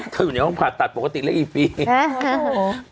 เขาอยู่ในห้องผ่าตัดปกติเล่นอีฟิล์ม